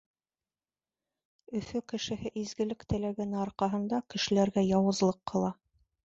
Өфө кешеһе изгелек теләгәне арҡаһында кешеләргә яуызлыҡ ҡыла.